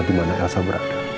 di mana elsa berada